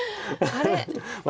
あれ？